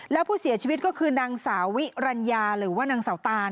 แล้วผู้เสียชีวิตก็คือนางสาวิรัญญาหรือว่านางสาวตาน